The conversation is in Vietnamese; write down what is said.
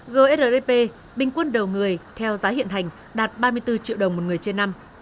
grdp bình quân đầu người theo giá hiện hành đạt ba mươi bốn triệu đồng một người trên năm